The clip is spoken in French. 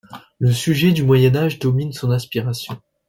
Les sujets du Moyen Âge dominent son inspiration.